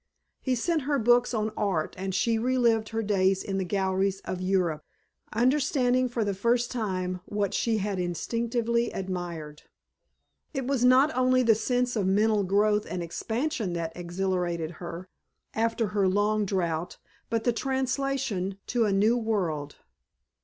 He sent her books on art and she re lived her days in the galleries of Europe, understanding for the first time what she had instinctively admired. It was not only the sense of mental growth and expansion that exhilarated her, after her long drought, but the translation to a new world.